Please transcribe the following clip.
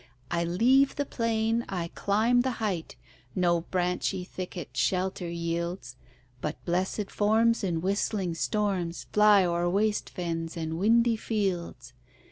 I leave the plain, I climb the height; No branchy thicket shelter yields; But blessed forms in whistling storms Fly o'er waste fens and windy fields.